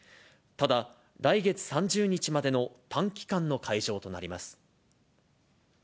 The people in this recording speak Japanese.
ただ、来月３０日までの短期間の会場となります。